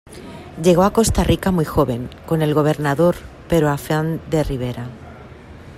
Llegó a Costa Rica muy joven, con el gobernador Pero Afán de Ribera.